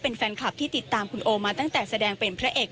เป็นแฟนคลับที่ติดตามคุณโอมาตั้งแต่แสดงเป็นพระเอก